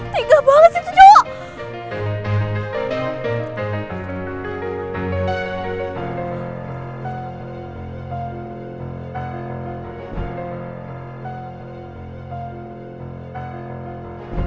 tinggal banget sih itu cowok